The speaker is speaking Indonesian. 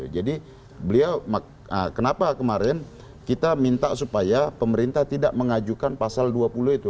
jadi beliau kenapa kemarin kita minta supaya pemerintah tidak mengajukan pasal dua puluh itu